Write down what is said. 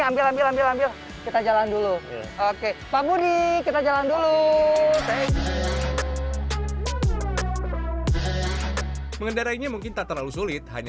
ambil ambil ambil kita jalan dulu oke pak budi kita jalan dulu mengendarainya mungkin tak terlalu sulit hanya